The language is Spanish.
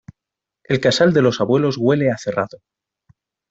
El casal de los abuelos huele a cerrado.